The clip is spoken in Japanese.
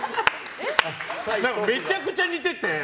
めちゃくちゃ似てて。